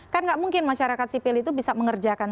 kan nggak mungkin masyarakat sipil itu bisa mengerjakan